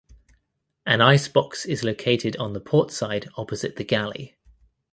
An ice box is located on the port side opposite the galley.